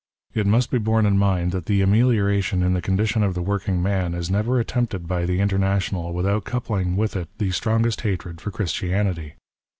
It must be borne in mind that the amelioration in the condition of the working man is never attempted by the International without coupling with it the strongest hatred for Christianity.